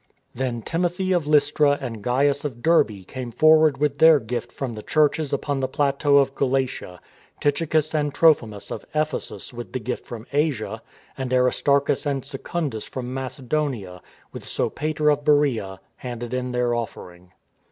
Then Timothy of Lystra and Gains of Derbe "AWAY WITH HIM" 289 came forward with their gift from the Churches upon the plateau of Galatia; Tychicus and Trophimus of Ephesus with the gift from Asia; and Aristarchus and Secundus from Macedonia, with Sopater of Beroea, handed in their offering.